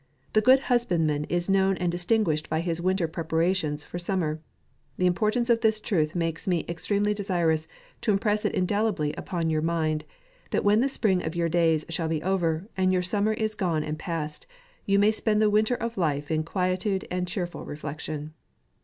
The good husbandman is known and distinguished by his winter preparations for summer. The importance of this truth makes me extreme ly desirous to impress it indelibly upon jour mind, that when the spring of your days shall be over, and your summer is gone and past, you may spend the winter of life in quietude and cheerful reflection.